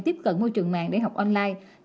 tiếp cận môi trường mạng để học online